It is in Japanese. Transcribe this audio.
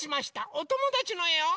おともだちのえを。